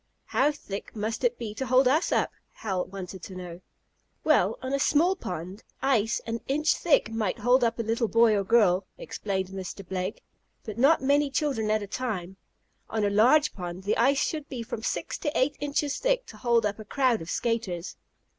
"How thick must it be to hold us up?" Hal wanted to know. "Well, on a small pond, ice an inch thick might hold up a little boy or girl," explained Mr. Blake. "But not very many children at a time. On a large pond the ice should be from six to eight inches thick to hold up a crowd of skaters."